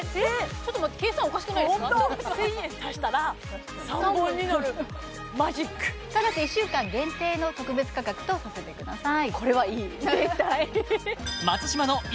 ちょっと待って計算おかしくないですかホント１０００円足したら３本になるマジックただし１週間限定の特別価格とさせてください